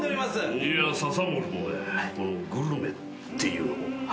いや刺森もねこのグルメっていうの？